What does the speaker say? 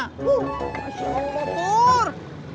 wuhh masya allah purr